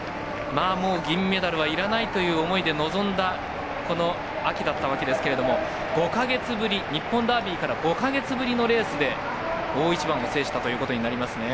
銀メダルはいらないという思いで臨んだこの秋だったわけですが日本ダービーから５か月ぶりのレースで大一番を制したということになりますね。